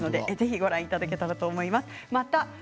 ご覧いただければと思います。